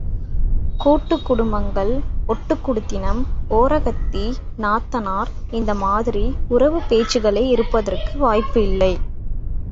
கூட்டுக் குடும்பங்கள், ஒட்டுக் குடித்தனம், ஓரகத்தி, நாத்தனார் இந்த மாதிரி உறவுப் பேச்சுகளே இருப்பதற்கு வாய்ப்பு இல்லை.